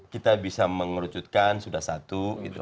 kita bisa mengerucutkan sudah satu